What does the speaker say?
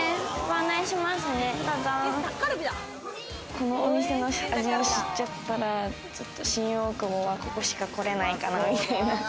このお店の味を知っちゃったら、ちょっと新大久保はここしか来れないかなみたいな。